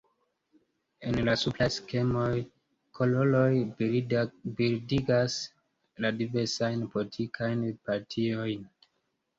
En la supraj skemoj, koloroj bildigas la diversajn politikajn partiojn.